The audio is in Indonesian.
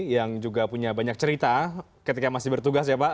yang juga punya banyak cerita ketika masih bertugas ya pak